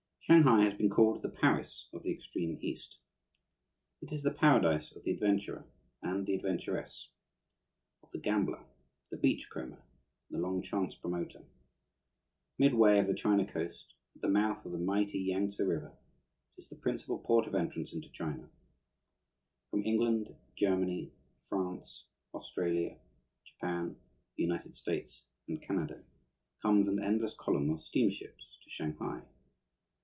Shanghai has been called the Paris of the extreme East. It is the paradise of the adventurer and the adventuress, of the gambler, the beach comber, and the long chance promoter. Midway of the China Coast, at the mouth of the mighty Yangtse River, it is the principal port of entrance into China. From England, Germany, France, Australia, Japan, the United States, and Canada comes an endless column of steamships to Shanghai.